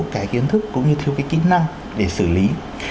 cái kiến thức cũng như thiếu cái kỹ năng để xử lý